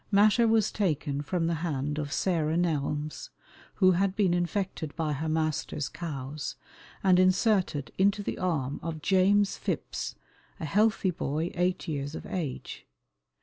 Matter was taken from the hand of Sarah Nelmes, who had been infected by her master's cows, and inserted into the arm of James Phipps, a healthy boy eight years of age.